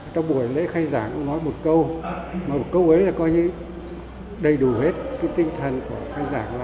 trong buổi lễ khai giảng ông nói một câu một câu ấy là coi như đầy đủ hết cái tinh thần của khai giảng